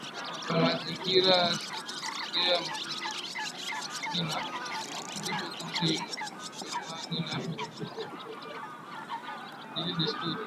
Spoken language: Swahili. ya mazingira asili historia mafundisho kuhusu imani na maadili desturi